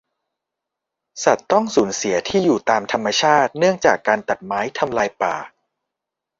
สัตว์ต้องสูญเสียที่อยู่ตามธรรมชาติ เนื่องจากการตัดไม้ทำลายป่า